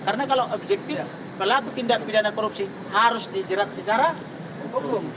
karena kalau objektif pelaku tindak pidana korupsi harus dijerat secara hukum